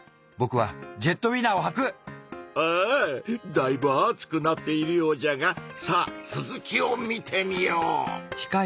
だいぶ熱くなっているようじゃがさあ続きを見てみよう！